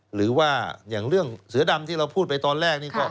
หรือว่าอย่างเรื่องเสือดำที่เราพูดไปตอนแรกนี่ก็